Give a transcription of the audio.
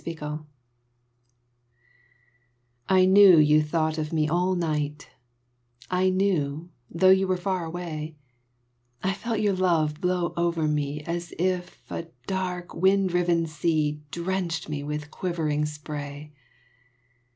Spray I knew you thought of me all night, I knew, though you were far away; I felt your love blow over me As if a dark wind riven sea Drenched me with quivering spray.